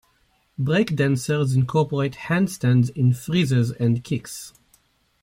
Breakdancers incorporate handstands in freezes and kicks.